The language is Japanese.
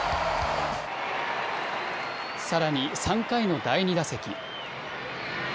さらに３回の第２打席。